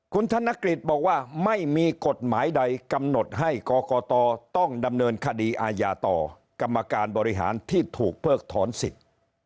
คุณธนกฤษบอกว่าไม่มีกฎหมายใดกำหนดให้กรกตต้องดำเนินคดีอาญาต่อกรรมการบริหารที่ถูกเพิกถอนสิทธิ์